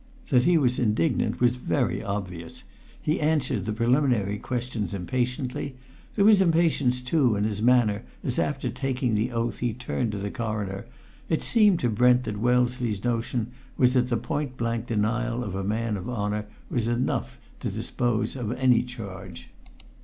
That he was indignant was very obvious; he answered the preliminary questions impatiently; there was impatience, too, in his manner as after taking the oath he turned to the Coroner; it seemed to Brent that Wellesley's notion was that the point blank denial of a man of honour was enough to dispose of any charge.